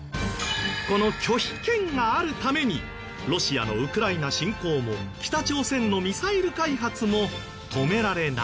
この拒否権があるためにロシアのウクライナ侵攻も北朝鮮のミサイル開発も止められない。